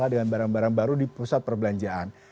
dengan barang barang baru di pusat perbelanjaan